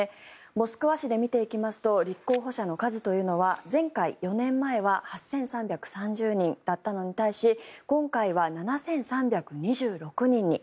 モスクワ市で見てみますと立候補者の数というのは前回、４年前は８３３０人だったのに対し今回は７３２６人に。